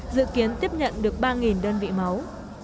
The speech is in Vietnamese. dự kiến tiếp nhận được ba đơn vị máu